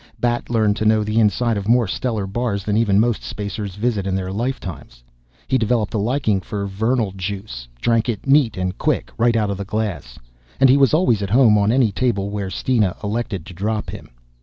Bat learned to know the inside of more stellar bars than even most spacers visit in their lifetimes. He developed a liking for Vernal juice, drank it neat and quick, right out of a glass. And he was always at home on any table where Steena elected to drop him.